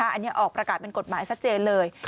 อันนี้ออกประกาศเป็นกฎหมายชัดเจนเลย